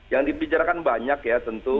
yang dibicarakan banyak ya tentu